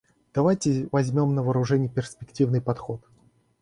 Давайте возьмем на вооружение перспективный подход.